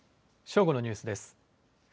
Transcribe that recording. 正午のニュースです。